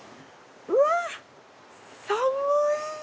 うわっ寒い！